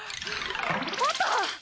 あった！